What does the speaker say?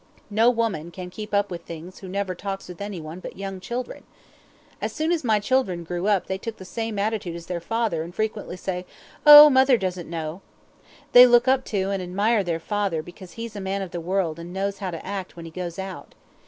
No woman can keep up with things who never talks with any one but young children. As soon as my children grew up they took the same attitude as their father, and frequently say, "Oh, mother doesn't know." They look up to and admire their father because he's a man of the world and knows how to act when he goes out.